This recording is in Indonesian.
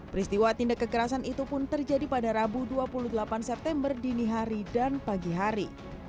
peristiwa tindak kekerasan itu pun terjadi pada rabu dua puluh delapan september dini hari dan pagi hari